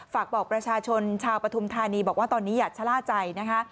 ฝากบอกประชาชนชาวปฐุมธานีบอกว่าตอนนี้อย่าชะล่าใจนะคะ